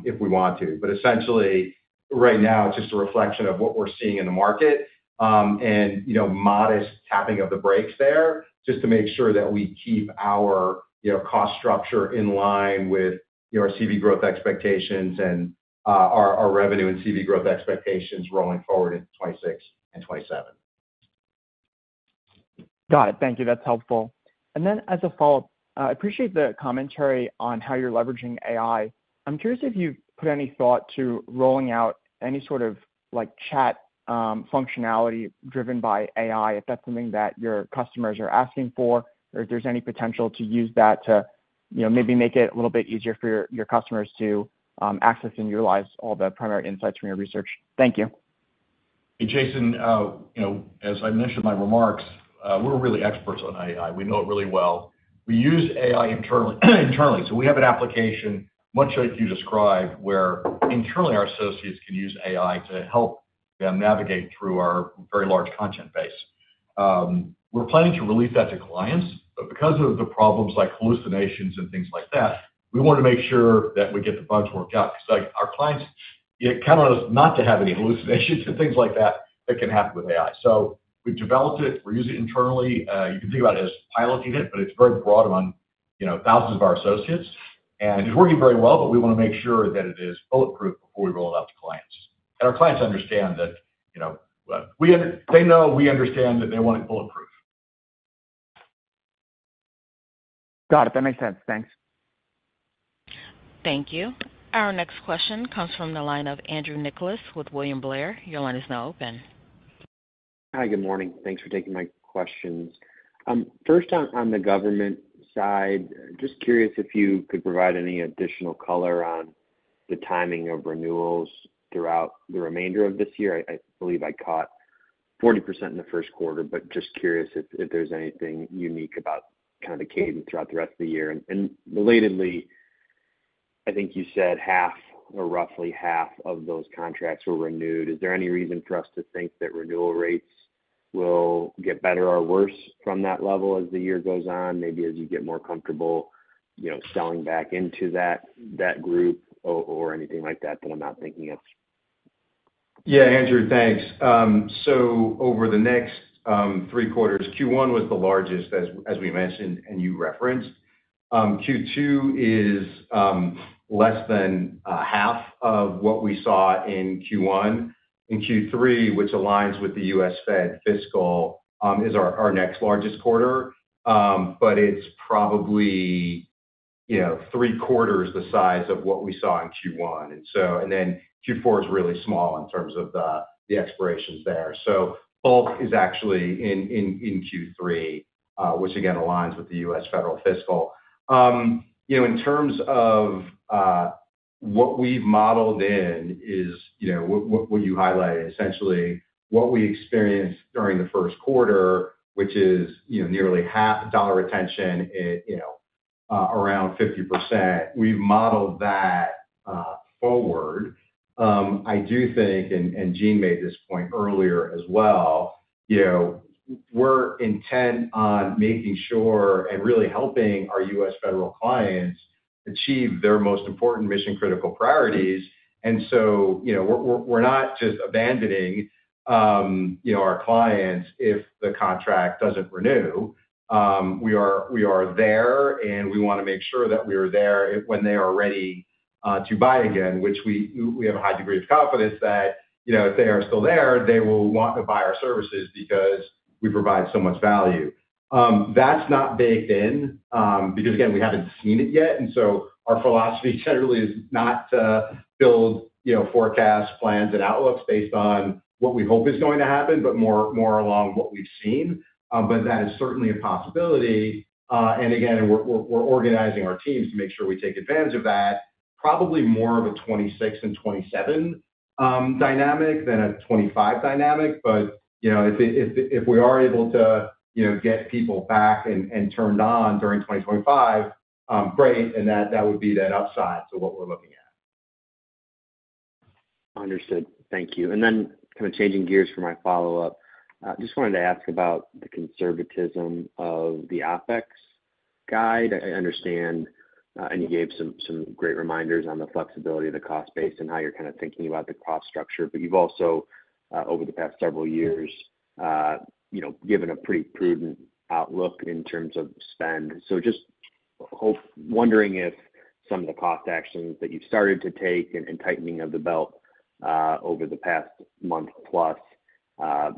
if we want to. Essentially, right now, it's just a reflection of what we're seeing in the market and modest tapping of the brakes there just to make sure that we keep our cost structure in line with our CV growth expectations and our revenue and CV growth expectations rolling forward in 2026 and 2027. Got it. Thank you. That's helpful. As a follow-up, I appreciate the commentary on how you're leveraging AI. I'm curious if you've put any thought to rolling out any sort of chat functionality driven by AI, if that's something that your customers are asking for, or if there's any potential to use that to maybe make it a little bit easier for your customers to access and utilize all the primary insights from your research. Thank you. Hey, Jason, as I mentioned in my remarks, we're really experts on AI. We know it really well. We use AI internally. We have an application, much like you described, where internally our associates can use AI to help them navigate through our very large content base. We are planning to release that to clients, but because of the problems like hallucinations and things like that, we want to make sure that we get the bugs worked out. Our clients kind of want us not to have any hallucinations and things like that that can happen with AI. We have developed it. We use it internally. You can think about it as piloting it, but it is very broad among thousands of our associates. It is working very well, but we want to make sure that it is bulletproof before we roll it out to clients. Our clients understand that. They know we understand that they want it bulletproof. Got it. That makes sense. Thanks. Thank you. Our next question comes from the line of Andrew Nicholas with William Blair. Your line is now open. Hi, good morning. Thanks for taking my questions. First, on the government side, just curious if you could provide any additional color on the timing of renewals throughout the remainder of this year. I believe I caught 40% in the first quarter, but just curious if there's anything unique about kind of the cadence throughout the rest of the year. Relatedly, I think you said half or roughly half of those contracts were renewed. Is there any reason for us to think that renewal rates will get better or worse from that level as the year goes on, maybe as you get more comfortable selling back into that group or anything like that that I'm not thinking of? Yeah, Andrew, thanks. Over the next three quarters, Q1 was the largest, as we mentioned, and you referenced. Q2 is less than half of what we saw in Q1. In Q3, which aligns with the U.S. Fed fiscal, is our next largest quarter, but it is probably three-quarters the size of what we saw in Q1. Q4 is really small in terms of the expirations there. The bulk is actually in Q3, which again aligns with the U.S. federal fiscal. In terms of what we have modeled in is what you highlighted, essentially what we experienced during the first quarter, which is nearly half dollar retention around 50%. We have modeled that forward. I do think, and Gene made this point earlier as well, we are intent on making sure and really helping our U.S. federal clients achieve their most important Mission-Critical Priorities. We are not just abandoning our clients if the contract does not renew. We are there, and we want to make sure that we are there when they are ready to buy again, which we have a high degree of confidence that if they are still there, they will want to buy our services because we provide so much value. That is not baked in because, again, we have not seen it yet. Our philosophy generally is not to build forecast plans and outlooks based on what we hope is going to happen, but more along what we have seen. That is certainly a possibility. Again, we are organizing our teams to make sure we take advantage of that, probably more of a 2026 and 2027 dynamic than a 2025 dynamic. If we are able to get people back and turned on during 2025, great. That would be that upside to what we're looking at. Understood. Thank you. Changing gears for my follow-up, I just wanted to ask about the conservatism of the OpEx guide. I understand, and you gave some great reminders on the flexibility of the cost base and how you're kind of thinking about the cost structure. You've also, over the past several years, given a pretty prudent outlook in terms of spend. Just wondering if some of the cost actions that you've started to take and tightening of the belt over the past month plus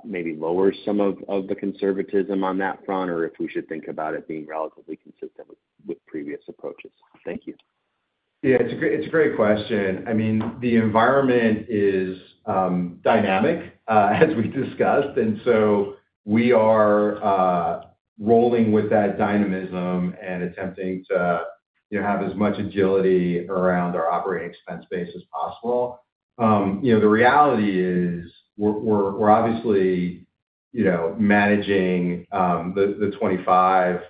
maybe lowers some of the conservatism on that front, or if we should think about it being relatively consistent with previous approaches. Thank you. Yeah, it's a great question. I mean, the environment is dynamic, as we discussed. We are rolling with that dynamism and attempting to have as much agility around our operating expense base as possible. The reality is we're obviously managing the 2025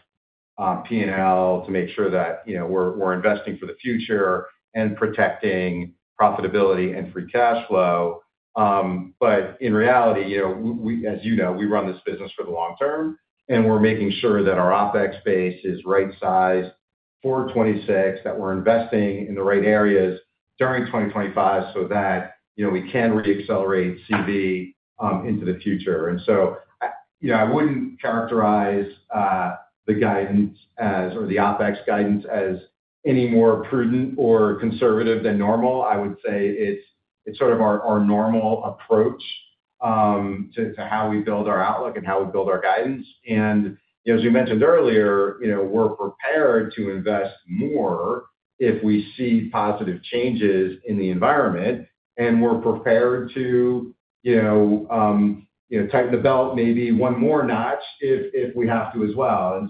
P&L to make sure that we're investing for the future and protecting profitability and free cash flow. In reality, as you know, we run this business for the long term, and we're making sure that our OpEx base is right-sized for 2026, that we're investing in the right areas during 2025 so that we can re-accelerate CV into the future. I wouldn't characterize the guidance or the OpEx guidance as any more prudent or conservative than normal. I would say it's sort of our normal approach to how we build our outlook and how we build our guidance. As we mentioned earlier, we're prepared to invest more if we see positive changes in the environment, and we're prepared to tighten the belt maybe one more notch if we have to as well.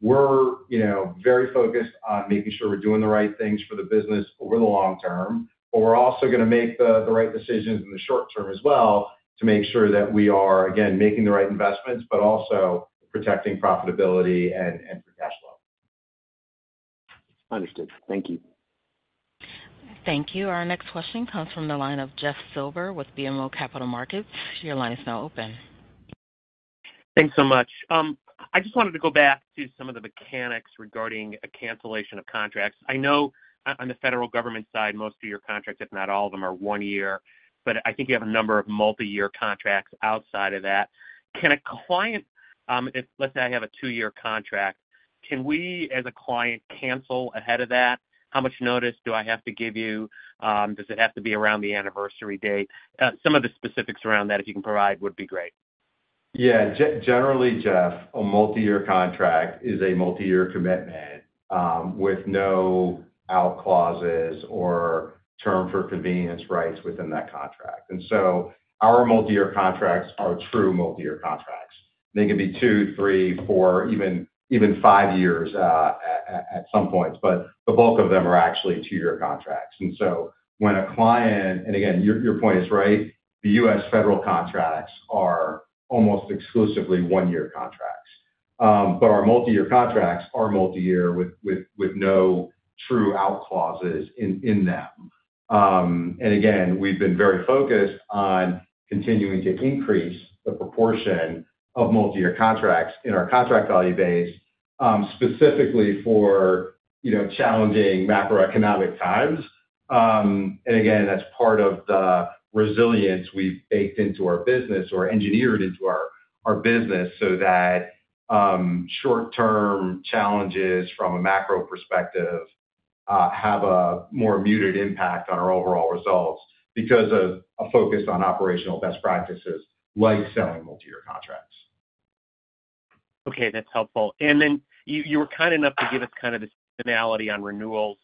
We are very focused on making sure we're doing the right things for the business over the long term, but we're also going to make the right decisions in the short term as well to make sure that we are, again, making the right investments, but also protecting profitability and free cash flow. Understood. Thank you. Thank you. Our next question comes from the line of Jeff Silber with BMO Capital Markets. Your line is now open. Thanks so much. I just wanted to go back to some of the mechanics regarding a cancellation of contracts. I know on the federal government side, most of your contracts, if not all of them, are one year, but I think you have a number of multi-year contracts outside of that. Can a client, let's say I have a two-year contract, can we as a client cancel ahead of that? How much notice do I have to give you? Does it have to be around the anniversary date? Some of the specifics around that, if you can provide, would be great. Yeah. Generally, Jeff, a multi-year contract is a multi-year commitment with no out clauses or term for convenience rights within that contract. And so our multi-year contracts are true multi-year contracts. They can be two, three, four, even five years at some points, but the bulk of them are actually two-year contracts. And so when a client—and again, your point is right—the U.S. Federal contracts are almost exclusively one-year contracts. Our multi-year contracts are multi-year with no true out clauses in them. We've been very focused on continuing to increase the proportion of multi-year contracts in our contract value base specifically for challenging macroeconomic times. That's part of the resilience we've baked into our business or engineered into our business so that short-term challenges from a macro perspective have a more muted impact on our overall results because of a focus on operational best practices like selling multi-year contracts. That's helpful. You were kind enough to give us kind of the seasonality on renewals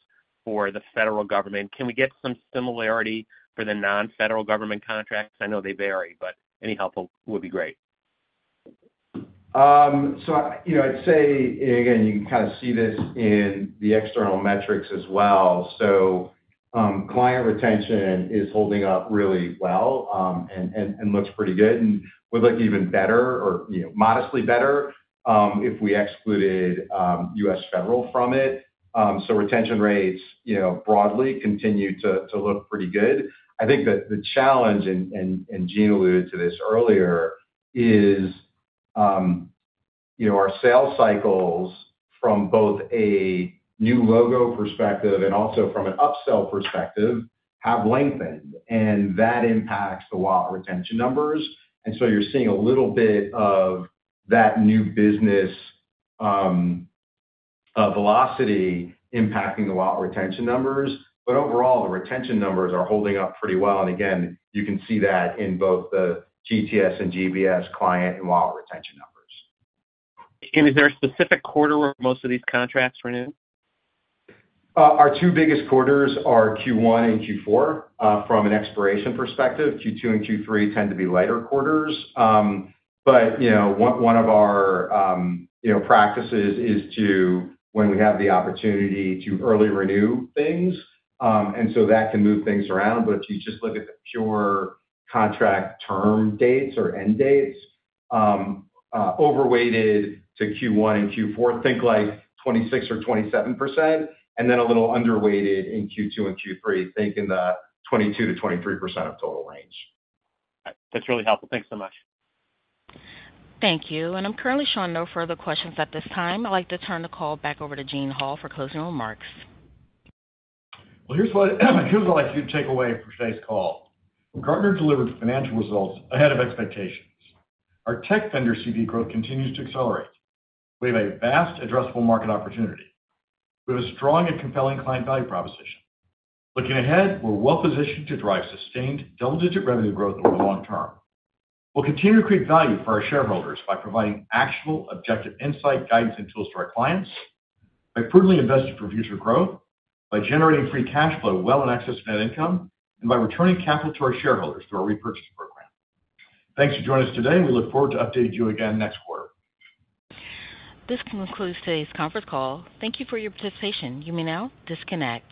for the federal government. Can we get some similarity for the non-federal government contracts? I know they vary, but any help would be great. I'd say you can kind of see this in the external metrics as well. Client retention is holding up really well and looks pretty good. We'd like even better or modestly better if we excluded U.S. federal from it. Retention rates broadly continue to look pretty good. I think that the challenge, and Gene alluded to this earlier, is our sales cycles from both a new logo perspective and also from an upsell perspective have lengthened, and that impacts the wallet retention numbers. You are seeing a little bit of that new business velocity impacting the wallet retention numbers. Overall, the retention numbers are holding up pretty well. Again, you can see that in both the GTS and GBS client and wallet retention numbers. Is there a specific quarter where most of these contracts renew? Our two biggest quarters are Q1 and Q4. From an expiration perspective, Q2 and Q3 tend to be lighter quarters. One of our practices is to, when we have the opportunity, to early renew things. That can move things around. If you just look at the pure contract term dates or end dates, overweighted to Q1 and Q4, think like 26% or 27%, and then a little underweighted in Q2 and Q3, think in the 22% to 23% of total range. That is really helpful. Thanks so much. Thank you. I am currently showing no further questions at this time. I would like to turn the call back over to Gene Hall for closing remarks. Here is what I would like you to take away from today's call. Gartner delivered financial results ahead of expectations. Our Tech Vendor CV growth continues to accelerate. We have a vast addressable market opportunity. We have a strong and compelling client value proposition. Looking ahead, we're well-positioned to drive sustained double-digit revenue growth over the long term. We'll continue to create value for our shareholders by providing actionable, objective insight, guidance, and tools to our clients, by prudently investing for future growth, by generating free cash flow well in excess of net income, and by returning capital to our shareholders through our repurchase program. Thanks for joining us today, and we look forward to updating you again next quarter. This concludes today's conference call. Thank you for your participation. You may now disconnect.